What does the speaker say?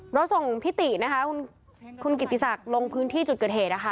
เราส่งพิตินะคะคุณกิติศักดิ์ลงพื้นที่จุดเกิดเหตุนะคะ